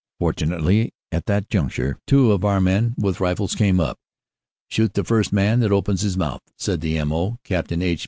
Fortunately at that juncture two of our men with rifles came up. "Shoot the first man that opens his mouth," said the M. O., Capt. H.